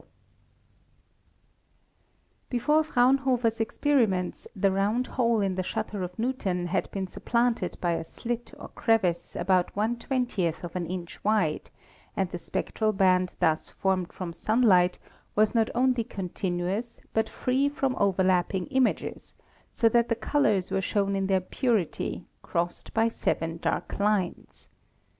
RISE OF ASTROPHYSICS 29 Before Fraunhofer's experiments, the round hole in the shutter of Newton had been supplanted by a slit or crevice about one twentieth of an inch wide, and the spectral band thus formed from sunlight was not only continuous but free from overlapping images, so that the colors were shown in their purity, crossed by seven dark lines.